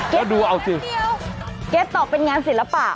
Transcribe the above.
เกรทตอบเป็นงานศิลปะ